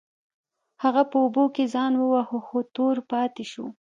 هغه په اوبو کې ځان وواهه خو تور پاتې شو.